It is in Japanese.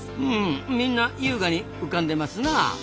うんみんな優雅に浮かんでますなあ。